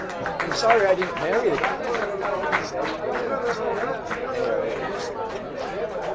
"I'm sorry I didn't marry the gal," the Canadian said, throwing up his hands with an air of discouragement.